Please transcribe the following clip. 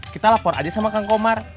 kita lapor aja sama kang komar